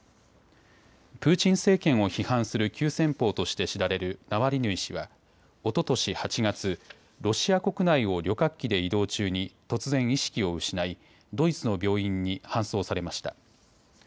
プーチン政権を批判する急先ぽうとして知られるナワリヌイ氏はおととし８月、ロシア国内を旅客機で移動中に突然、意識を失いドイツの病院に搬送されました。